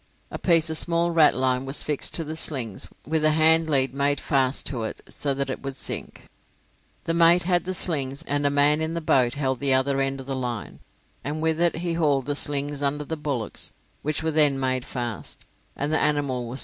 A piece of small ratline was fixed to the slings, with the handlead made fast to it so that it would sink. The mate had the slings, and a man in the boat held the other end of the line, and with it he hauled the slings under the bullocks, which were then made fast, and the animal was hoisted up.